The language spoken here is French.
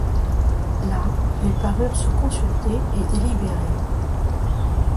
Là, ils parurent se consulter et délibérer.